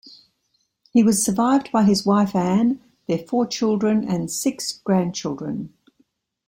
He was survived by his wife Ann, their four children, and six grandchildren.